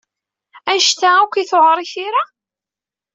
Anect-a akk ay tewɛeṛ i tira?